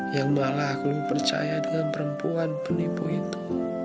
yang malah aku lebih percaya dengan perempuan penipu itu